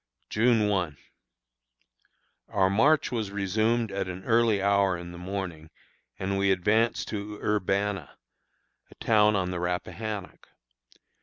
June 1. Our march was resumed at an early hour in the morning, and we advanced to Urbanna, a town on the Rappahannock.